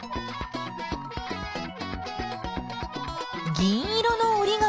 銀色のおりがみは？